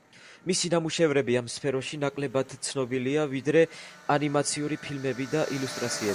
მისი ნამუშევრები ამ სფეროებში ნაკლებად ცნობილია, ვიდრე ანიმაციური ფილმები და ილუსტრაციები.